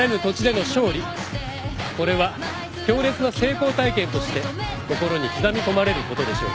これは強烈な成功体験として心に刻み込まれることでしょう。